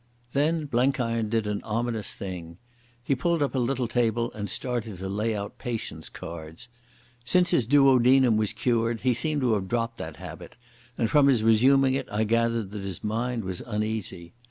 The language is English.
Then Blenkiron did an ominous thing. He pulled up a little table and started to lay out Patience cards. Since his duodenum was cured he seemed to have dropped that habit, and from his resuming it I gathered that his mind was uneasy.